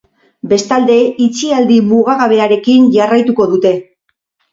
Bestalde, itxialdi mugagabearekin jarraituko dute.